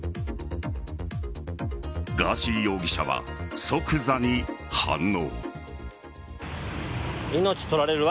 ガーシー容疑者は即座に反応。